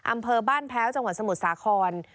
อำเภอบ้านแพ้วจังหวัดสมุทรสาคร